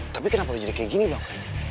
tapi kenapa mau jadi kayak gini bang